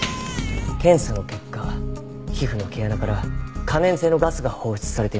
検査の結果皮膚の毛穴から可燃性のガスが放出されていました。